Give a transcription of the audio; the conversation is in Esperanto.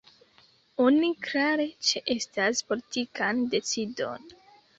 Oni klare ĉeestas politikan decidon.